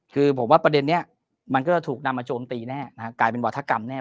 คือผมว่าประเด็นนี้มันก็จะถูกนำมาโจมตีแน่นะฮะกลายเป็นวัฒกรรมแน่